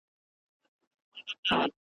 که کتل یې چي مېړه یې یک تنها دی ,